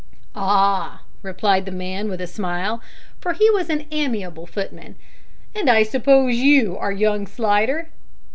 "Ah!" replied the man, with a smile for he was an amiable footman "and I suppose you are young Slidder?"